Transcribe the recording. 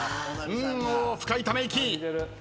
うん深いため息。